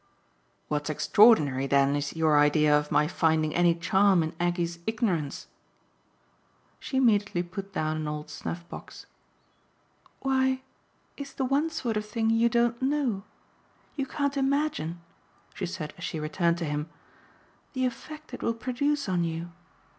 "What's extraordinary then is your idea of my finding any charm in Aggie's ignorance." She immediately put down an old snuff box. "Why it's the one sort of thing you don't know. You can't imagine," she said as she returned to him, "the effect it will produce on you.